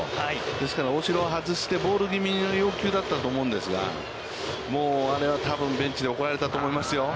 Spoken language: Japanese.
ですから、大城は外してボールぎみの要求だったと思うんですが、もうあれは多分、ベンチで怒られたと思いますよ。